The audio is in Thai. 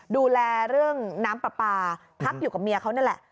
ดูแลเรื่องน้ำปลาปลาพักอยู่กับเมียเขานั่นแหละ